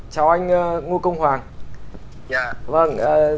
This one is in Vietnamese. chào anh ngô công hoàng